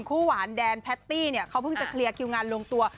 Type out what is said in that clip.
คู่หวานแดนแพทตี้เขาเพิ่งจะเคลียร์คิวงานลงตัว